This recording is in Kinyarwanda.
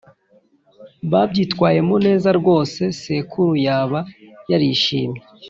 yabyitwayemo neza rwose; sekuru yaba yarishimye,